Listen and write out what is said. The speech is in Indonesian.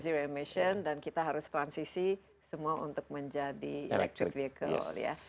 zero emission dan kita harus transisi semua untuk menjadi electric vehicle ya